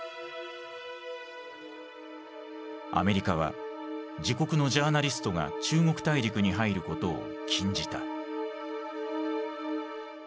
アメリカは自国のジャーナリストが中国大陸に入ることを禁じた。